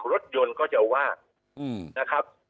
รถยนต์ก็จะว่างนะครับ